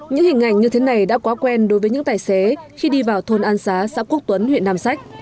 những hình ảnh như thế này đã quá quen đối với những tài xế khi đi vào thôn an xá xã quốc tuấn huyện nam sách